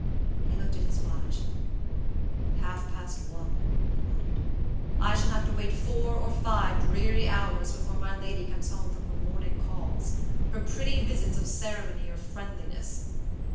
He looked at his watch. "Half past one," he muttered. "I shall have to wait four or five dreary hours before my lady comes home from her morning callsher pretty visits of ceremony or friendliness.